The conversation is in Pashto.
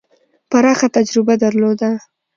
پراخه تجربه درلوده.